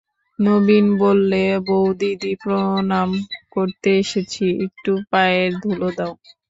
নবীন বললে, বউদিদি, প্রণাম করতে এসেছি, একটু পায়ের ধুলো দাও।